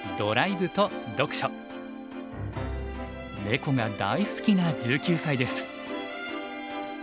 ネコが大好きな１９歳です。